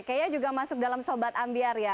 kayaknya juga masuk dalam sobat ambiar ya